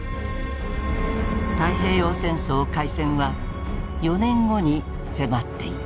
太平洋戦争開戦は４年後に迫っていた。